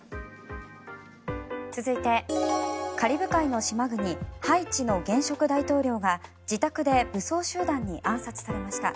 続いて、カリブ海の島国ハイチの現職大統領が自宅で武装集団に暗殺されました。